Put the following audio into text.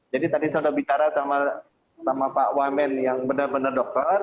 jadi tadi saya sudah bicara sama pak wamen yang benar benar dokter